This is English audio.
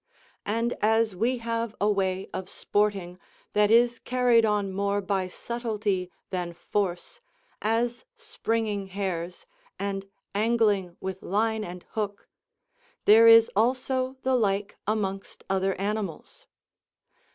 And as we have a way of sporting that is carried on more by subtlety than force, as springing hares, and angling with line and hook, there is also the like amongst other animals.